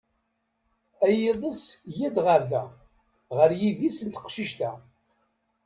A yiḍes yya-d ɣar da, ɣar yidis n teqcict-a.